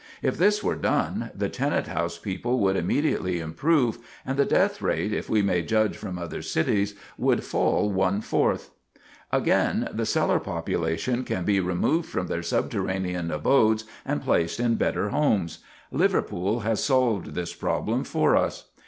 If this were done, the tenant house people would immediately improve, and the death rate, if we may judge from other cities, would fall one fourth. Again, the cellar population can be removed from their subterranean abodes, and placed in better homes. Liverpool has solved this problem for us.